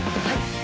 はい。